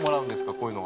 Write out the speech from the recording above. こういうのは。